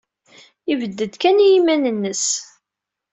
Yebded kan i yiman-nnes.